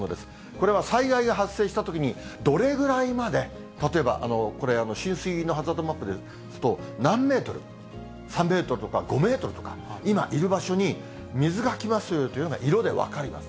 これは災害が発生したときに、どれぐらいまで例えばこれ、浸水のハザードマップですと、何メートル、３メートルとか、５メートルとか、今いる場所に水が来ますよというのが色で分かります。